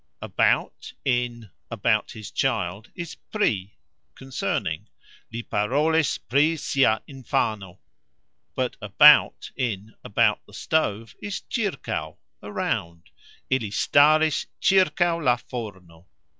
"About," in "about his child," is "pri," concerning, Li parolis "pri" sia infano, but "about," in "about the stove," is "cxirkaux," around, Ili staris "cxirkaux" la forno.